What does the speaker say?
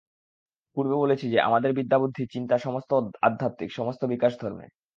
পূর্বে বলেছি যে, আমাদের বিদ্যা বুদ্ধি চিন্তা সমস্ত আধ্যাত্মিক, সমস্ত বিকাশ ধর্মে।